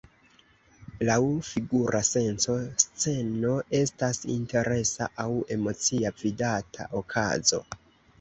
Laŭ figura senco, sceno estas interesa aŭ emocia vidata okazo.